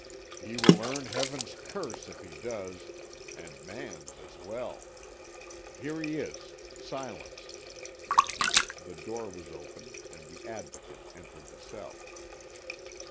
"He will earn Heaven's curse if he does, and man's as well. Here he is. Silence." The door was opened, and the Advocate entered the cell.